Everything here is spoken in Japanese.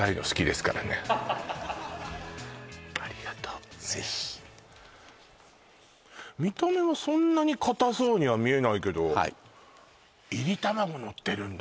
ありがとうぜひ見た目はそんなに硬そうには見えないけどいり卵のってるんだ